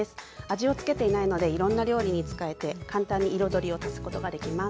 味をつけていないのでいろんな料理に使えて簡単に彩りを足すことができます。